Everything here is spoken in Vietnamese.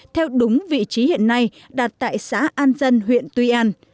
theo đúng vị trí hiện nay đặt tại xã an dân huyện tuy an